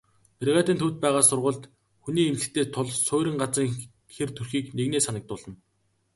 Бригадын төвд бага сургууль, хүний эмнэлэгтэй тул суурин газрын хэр төрхийг нэгнээ санагдуулна.